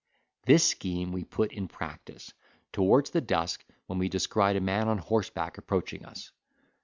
This scheme we put in practice, towards the dusk, when we descried a man on horseback approaching us.